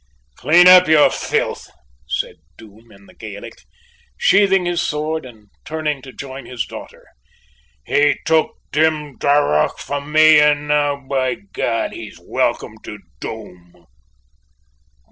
"Clean up your filth!" said Doom in the Gaelic, sheathing his sword and turning to join his daughter. "He took Drimdarroch from me, and now, by God! he's welcome to Doom."